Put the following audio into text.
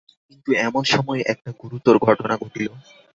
কিন্তু এমন সময়ে একটা গুরুতর ঘটনা ঘটিল।